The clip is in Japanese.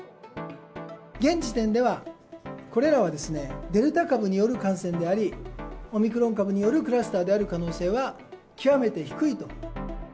現時点では、これらはデルタ株による感染であり、オミクロン株によるクラスターである可能性は極めて低いと。